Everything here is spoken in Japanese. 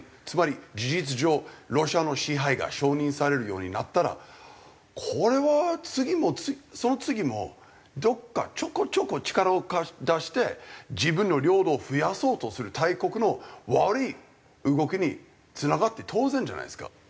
つまり事実上ロシアの支配が承認されるようになったらこれは次もその次もどこかちょこちょこ力を出して自分の領土を増やそうとする大国の悪い動きにつながって当然じゃないですか。